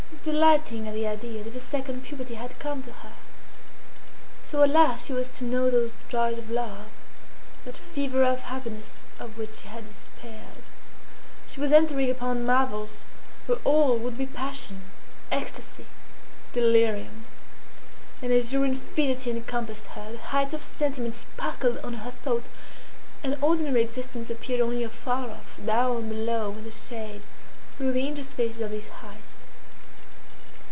delighting at the idea as if a second puberty had come to her. So at last she was to know those joys of love, that fever of happiness of which she had despaired! She was entering upon marvels where all would be passion, ecstasy, delirium. An azure infinity encompassed her, the heights of sentiment sparkled under her thought, and ordinary existence appeared only afar off, down below in the shade, through the interspaces of these heights.